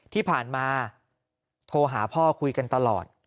ที่ผ่านมาโทรหาพ่อคุยกันตลอด